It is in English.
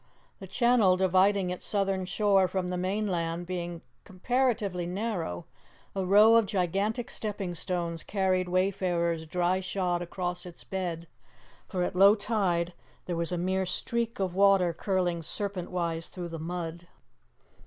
The channel dividing its southern shore from the mainland being comparatively narrow, a row of gigantic stepping stones carried wayfarers dry shod across its bed, for at low tide there was a mere streak of water curling serpent wise through the mud.